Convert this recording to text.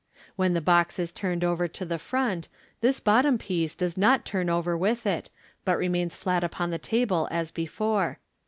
When the box is turned over to the front, this bottom piece does not turn over with it, but remains flat upon the table as before.